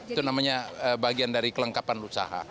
itu namanya bagian dari kelengkapan usaha